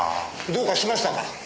どうかしましたか？